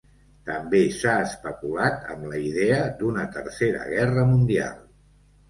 També s'ha especulat amb la idea d'una Tercera Guerra Mundial.